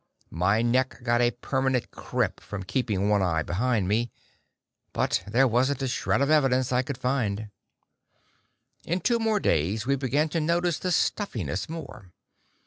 My neck got a permanent crimp from keeping one eye behind me. But there wasn't a shred of evidence I could find. In two more days, we began to notice the stuffiness more.